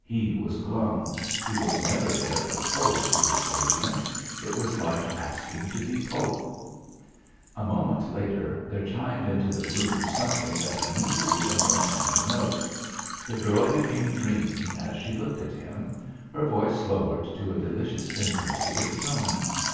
He was glum; he would never dare propose to this radiance; it was like asking to be pope. A moment later, there chimed into the room something that he knew to be a more tender note. The girl became dreamy as she looked at him; her voice lowered to a delicious intimacy of tone.